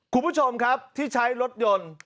คุณผู้ชมครับที่ใช้รถยนต์